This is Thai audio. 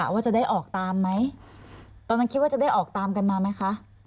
ว่าจะได้ออกตามไหมตอนนั้นคิดว่าจะได้ออกตามกันมาไหมคะ